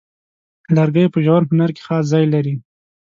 لرګی په ژور هنر کې خاص ځای لري.